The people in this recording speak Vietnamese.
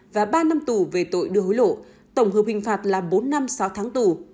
và ba năm tù về tội đưa hối lộ tổng hợp hình phạt là bốn năm sáu tháng tù